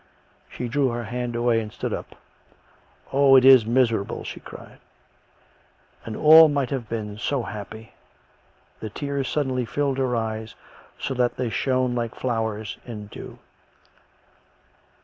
She drew her hand away and stood up. " Oh ! it is miserable !" she cried. " And all might have been so happy." The tears suddenly filled her eyes so that they shone like flowers in dew.